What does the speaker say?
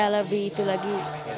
lebih itu lagi